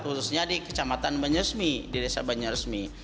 khususnya di kecamatan banyersmi di desa banyersmi